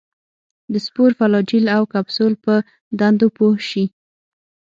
د سپور، فلاجیل او کپسول په دندو پوه شي.